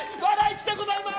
市でございます！